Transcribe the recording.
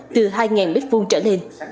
từ hai m hai trở lên